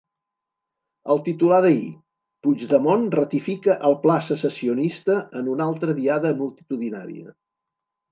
El titular d’ahir: ‘Puigdemont ratifica el pla secessionista en una altra Diada multitudinària’